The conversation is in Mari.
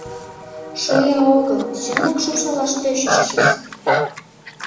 Шоя огыл, чынак шупшалаш тӧчышычыс!